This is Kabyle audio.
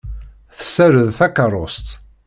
Tessared takeṛṛust.